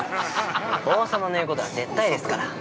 王様の言うことは絶対ですから。